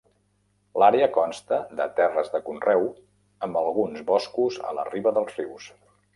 L'àrea consta de terres de conreu amb alguns boscos a la riba dels rius.